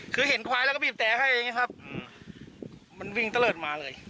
คือเห็นควายแล้วก็บีบแต่ให้อย่างนี้ครับมันวิ่งตะเลิศมาเลย